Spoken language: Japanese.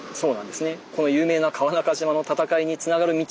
この有名な「川中島の戦い」につながる道